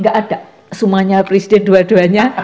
gaada sumanya presiden dua duanya